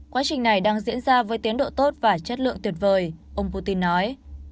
quá trình này đang diễn ra với tiến độ tốt và chất lượng tuyệt vời ông putin nói